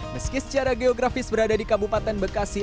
meski secara geografis berada di kabupaten bekasi